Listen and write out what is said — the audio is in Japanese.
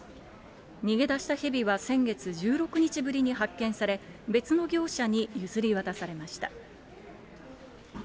逃げ出したヘビは先月、１６日ぶりに発見され、別の業者に譲り渡されました。